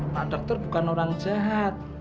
pak dokter bukan orang jahat